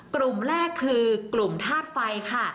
กลุ่มแรกคือกลุ่มธาตุไฟค่ะ